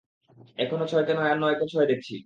এখনো ছয়কে নয় আর নয়কে ছয় দেখছি।